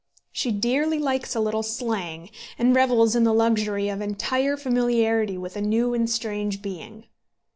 She dearly likes a little slang, and revels in the luxury of entire familiarity with a new and strange being.